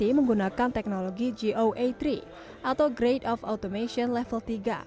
ini menggunakan teknologi goa tiga atau grade of automation level tiga